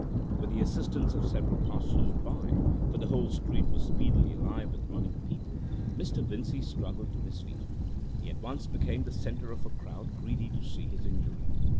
With the assistance of several passers by—for the whole street was speedily alive with running people—Mr. Vincey struggled to his feet. He at once became the centre of a crowd greedy to see his injury.